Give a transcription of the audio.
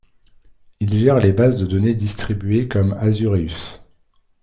Il gère les bases de données distribuées comme Azureus.